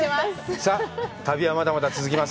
さあ、旅はまだまだ続きます。